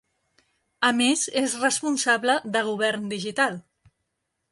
A més, és responsable de Govern Digital.